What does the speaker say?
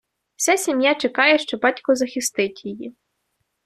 Вся сім’я чекає, що батько захистить її.